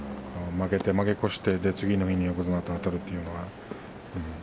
負け越して次の日に横綱とあたるというのは。